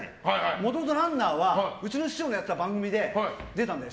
もともと「Ｒｕｎｎｅｒ」はうちの師匠のやってた番組で出たんだよ。